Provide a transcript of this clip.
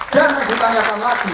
jangan ditanyakan lagi